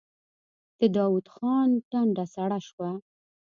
د داوود خان ټنډه سړه شوه.